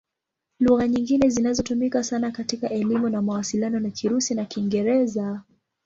Lugha nyingine zinazotumika sana katika elimu na mawasiliano ni Kirusi na Kiingereza.